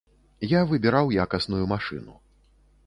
Я выбіраў якасную машыну.